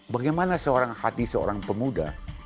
bagaimana seorang hati seorang pemuda